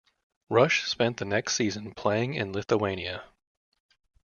Rush spent the next season playing in Lithuania.